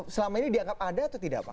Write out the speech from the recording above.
selama ini dianggap ada atau tidak pak